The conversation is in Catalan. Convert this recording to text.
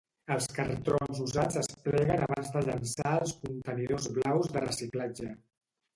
Els cartrons usats es pleguen abans de llençar als contenidors blaus de reciclatge